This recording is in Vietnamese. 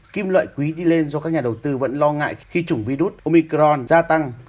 kim loại quý đi lên do các nhà đầu tư vẫn lo ngại khi chủng virus omicron gia tăng